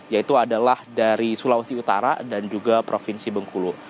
yaitu adalah dari sulawesi utara dan juga provinsi bengkulu